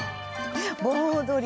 盆踊り。